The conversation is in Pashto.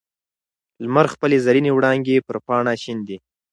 لمر خپلې زرینې وړانګې پر پاڼه شیندي.